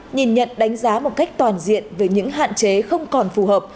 nhìn nhận đánh giá một cách toàn diện về những hạn chế không còn phù hợp